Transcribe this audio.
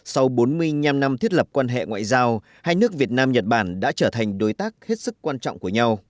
sau bốn mươi năm năm thiết lập quan hệ ngoại giao hai nước việt nam nhật bản đã trở thành đối tác hết sức quan trọng của nhau